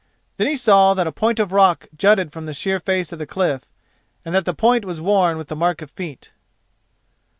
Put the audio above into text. Then he saw that a point of rock jutted from the sheer face of the cliff and that the point was worn with the mark of feet.